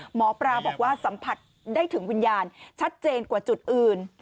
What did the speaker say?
หมอปลาบอกว่าสัมผัสได้ถึงวิญญาณชัดเจนกว่าจุดอื่น